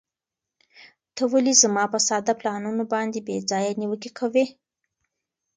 ته ولې زما په ساده پلانونو باندې بې ځایه نیوکې کوې؟